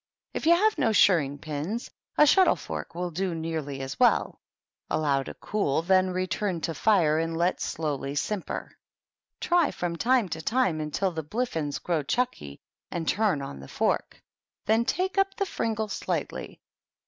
If you have no shirring pinSy a shuttle fork will do nearly as well. Allow to cooly then return to fire and let slowly simper. Try from time to time until the bliffins grow chvx^ky and turn on the fork ; then take up and fringle slightly.